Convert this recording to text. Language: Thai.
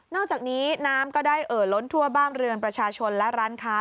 อกจากนี้น้ำก็ได้เอ่อล้นทั่วบ้านเรือนประชาชนและร้านค้า